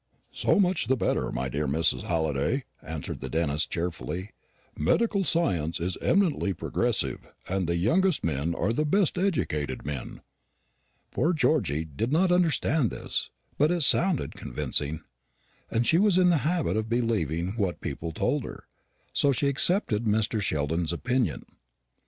"So much the better, my dear Mrs. Halliday," answered the dentist cheerfully; "medical science is eminently progressive, and the youngest men are the best educated men." Poor Georgy did not understand this; but it sounded convincing, and she was in the habit of believing what people told her; so she accepted Mr. Sheldon's opinion.